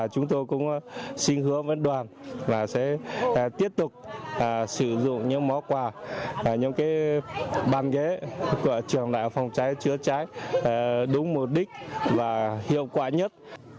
chúng tôi cũng xin hứa với đoàn là sẽ tiếp tục sử dụng những mẫu quà những cái bàn ghế của trường đại học phòng trái chưa trái đúng mục đích và hiệu quả nhất